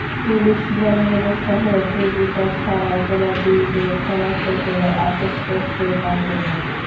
Police জনগণের সহযোগিতা ছাড়া অপরাধীদের শনাক্ত করে আটক করতে পারবে না।